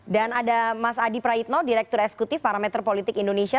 dan ada mas adi praitno direktur eksekutif parameter politik indonesia